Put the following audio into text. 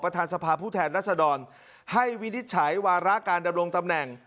สภาพผู้แทนรัศดรให้วินิจฉัยวาระการดำรงตำแหน่ง